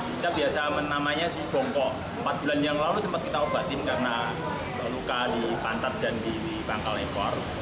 kita biasa namanya si bongkok empat bulan yang lalu sempat kita obatin karena luka di pantat dan di pangkal ekor